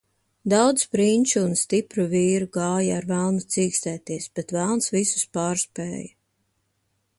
Daudz prinču un stipru vīru gāja ar velnu cīkstēties, bet velns visus pārspēja.